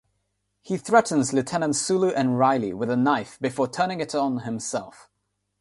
He threatens Lieutenants Sulu and Riley with a knife before turning it on himself.